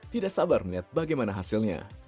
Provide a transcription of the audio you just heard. tidak sabar melihat bagaimana hasilnya